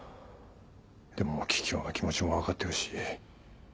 でも桔梗の気持ちも分かってほしい。